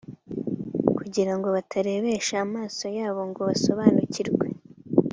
kugira ngo batarebesha amaso yabo ngo basobanukirwe